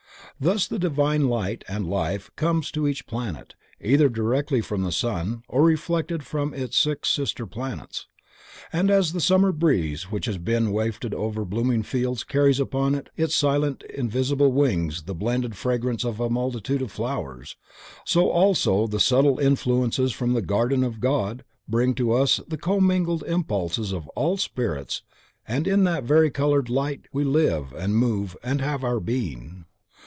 Thus the divine Light and Life comes to each planet, either directly from the sun, or reflected from its six sister planets, and as the summer breeze which has been wafted over blooming fields carries upon its silent invisible wings the blended fragrance of a multitude of flowers, so also the subtle influences from the garden of God bring to us the commingled impulses of all the Spirits and in that varicolored light we live and move and have our being.